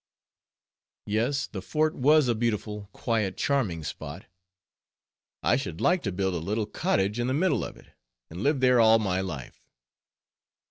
Yes, the fort was a beautiful, quiet, charming spot. I should like to build a little cottage in the middle of it, and live there all my life.